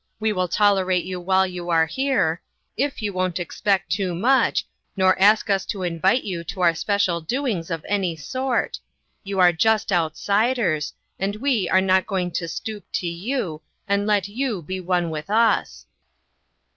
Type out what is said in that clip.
We will tolerate you while you are here, if you won't expect too much, nor ask us to invite you to our special doings of any sort. You are just outsiders, and we are not going to stoop to you, and let you be one with us.'